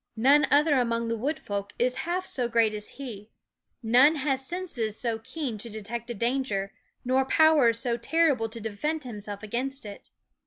None '$5 other among the wood folk is half so great as he ; none has senses so keen to detect a danger, nor powers so terrible to defend himself against it.